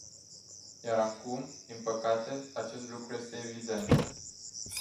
Iar acum, din păcate, acest lucru este evident.